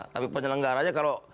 tapi penyelenggara aja kalau